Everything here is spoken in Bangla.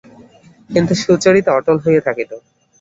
কিন্তু সুচরিতা অটল হইয়া থাকিত।